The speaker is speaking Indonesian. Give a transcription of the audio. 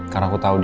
karena aku tahu dia